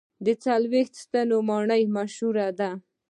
د څلوېښت ستنو ماڼۍ مشهوره ده.